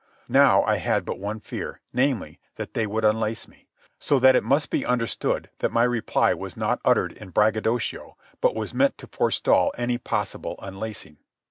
Now I had but one fear, namely, that they would unlace me; so that it must be understood that my reply was not uttered in braggadocio but was meant to forestall any possible unlacing.